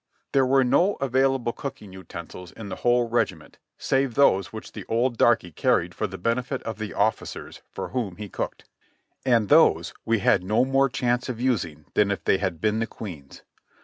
There were no available cooking utensils in the whole regi ment save those which the old darky carried for the benefit of the officers for whom he cooked ; and those we had no more chance of using than if they had been the Queen's.